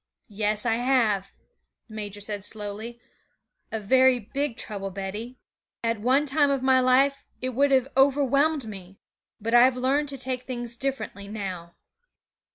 'Yes, I have,' the major said slowly; 'a very big trouble, Betty. At one time of my life it would have overwhelmed me, but I've learnt to take things differently now.'